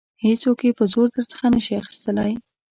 هیڅوک یې په زور درڅخه نشي اخیستلای.